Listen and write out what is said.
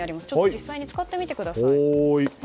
実際に使ってみてください。